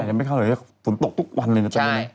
ยังไม่เข้าเลยฝนตกทุกวันเลยนะตอนนี้